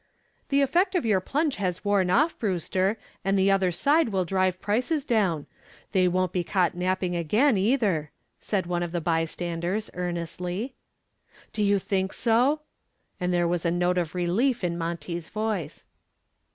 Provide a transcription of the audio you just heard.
"The effect of your plunge has worn off, Brewster, and the other side will drive prices down. They won't be caught napping again, either," said one of the bystanders earnestly. "Do you think so?" And there was a note of relief in Monty's voice.